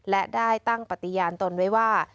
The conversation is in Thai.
และได้ตั้งปฏิญาณตนไว้ว่า